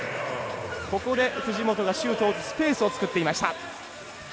ここで藤本がシュートを打つスペースをつくっていました。